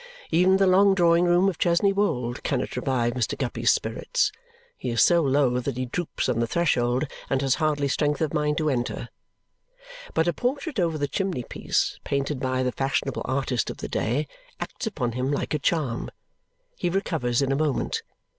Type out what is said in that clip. Even the long drawing room of Chesney Wold cannot revive Mr. Guppy's spirits. He is so low that he droops on the threshold and has hardly strength of mind to enter. But a portrait over the chimney piece, painted by the fashionable artist of the day, acts upon him like a charm. He recovers in a moment.